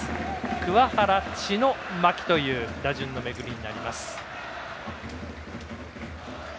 桑原、知野、牧という打順の巡りになります。